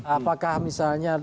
apakah misalnya dua ribu tujuh belas